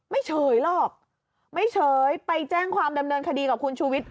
ไม่เฉยหรอกไม่เฉยไปแจ้งความดำเนินคดีกับคุณชูวิทย